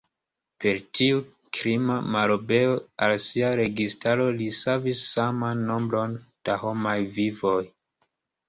Per tiu "krima" malobeo al sia registaro li savis saman nombron da homaj vivoj.